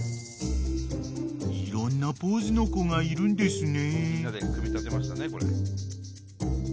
［いろんなポーズの子がいるんですね］